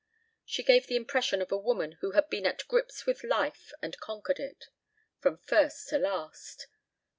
She gave the impression of a woman who had been at grips with life and conquered it, from first to last.